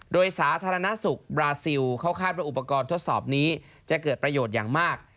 โดยสาธารณสุขบราซิลเขาคาดว่าอุปกรณ์ทดสอบนี้จะเกิดประโยชน์อย่างมาก